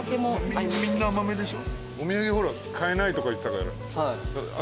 みんな甘めでしょ？